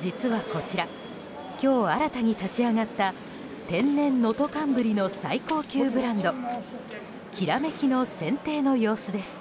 実はこちら今日新たに立ち上がった天然能登寒ブリの最高級ブランド「煌」の選定の様子です。